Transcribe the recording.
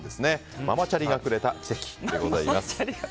ママチャリがくれた奇跡です。